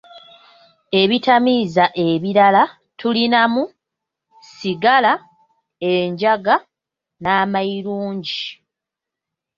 Ebitamiiza ebirala tulinamu, sigala, enjaga n'amayilungi.